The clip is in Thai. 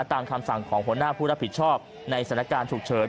ตามคำสั่งของหัวหน้าผู้รับผิดชอบในสถานการณ์ฉุกเฉิน